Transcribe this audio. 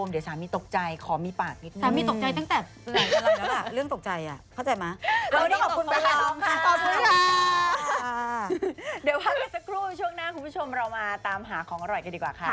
เดี๋ยวพักกันสักครู่ช่วงหน้าคุณผู้ชมเรามาตามหาของอร่อยกันดีกว่าค่ะ